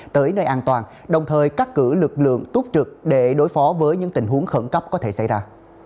tới nơi an toàn đồng thời cắt cử lực lượng túc trực để đối phó với những tình huống khẩn cấp có thể xảy ra